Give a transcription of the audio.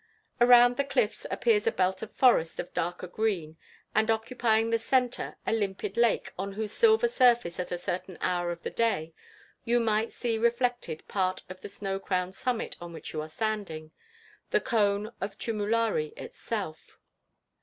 Around the cliffs appears a belt of forest of darker green; and occupying the centre a limpid lake, on whose silver surface at a certain hour of the day you might see reflected part of the snow crowned summit on which you are standing the cone of Chumulari itself.